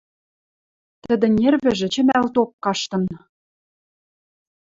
Тӹдӹн нервӹжӹ чӹмӓлток каштын.